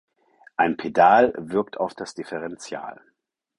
Ein Pedal wirkt auf das Differential.